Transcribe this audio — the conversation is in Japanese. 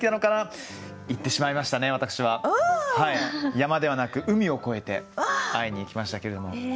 山ではなく海を越えて会いに行きましたけれども。